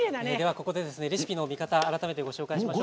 ここで、レシピの見方を改めてご紹介します。